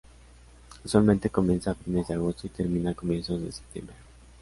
Usualmente comienza a fines de agosto y termina a comienzos de septiembre.